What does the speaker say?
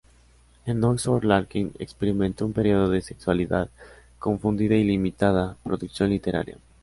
En Oxford Larkin experimentó un periodo de sexualidad confundida y limitada producción literaria.